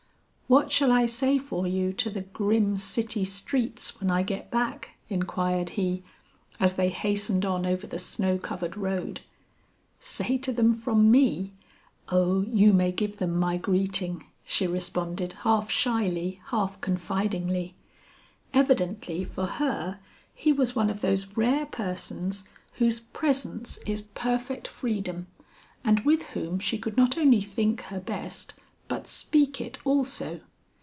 "What shall I say for you to the grim, city streets when I get back?" inquired he as they hastened on over the snow covered road. "Say to them from me? O you may give them my greeting," she responded half shyly, half confidingly. Evidently for her he was one of those rare persons whose presence is perfect freedom and with whom she could not only think her best but speak it also.